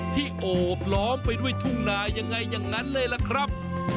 โอบล้อมไปด้วยทุ่งนายังไงอย่างนั้นเลยล่ะครับ